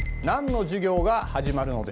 何の授業が始まる？